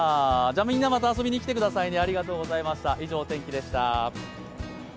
みんな、また遊びに来てくださいね。